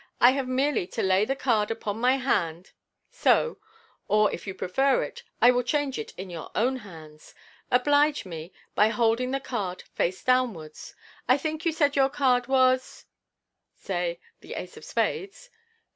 I have merely to lay the card upon my hand, so, or if you prefer it, I will change it in your own hands. Oblige me by holding the card face downwards. I think you said your card was "— (say) "the ace of spades